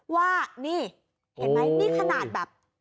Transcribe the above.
ว่านี่เห็นไหมนี่ขนาดแบบ